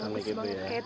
yang tertarik banget